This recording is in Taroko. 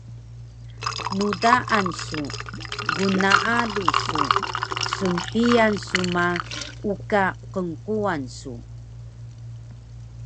ndaan su, gnaalu su, snhiyan su ma uka qnquwan su